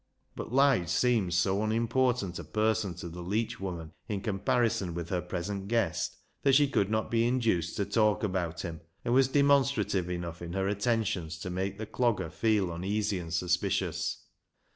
But Lige seemed so unimportant a person to the leech woman in comparison with her present guest that she could not be induced to talk about him, and was LIGE'S LEGACY 197 demonstrative enough in her attentions to make the Clogger feel uneasy and suspicious.